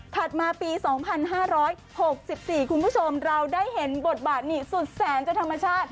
มาปี๒๕๖๔คุณผู้ชมเราได้เห็นบทบาทนี่สุดแสนจากธรรมชาติ